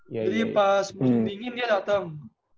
jadi pas musim dingin dia datang